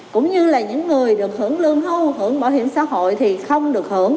cũng như là những người được hưởng lương hưu hưởng bảo hiểm xã hội thì không được hưởng